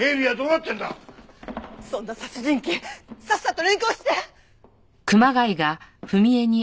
そんな殺人鬼さっさと連行して！